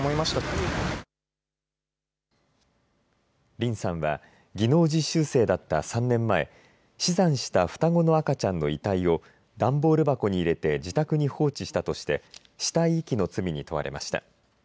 リンさんは技能実習生だった３年前、死産した双子の赤ちゃんの遺体を段ボール箱に入れて自宅に放置したとして死体遺棄の罪に問われました。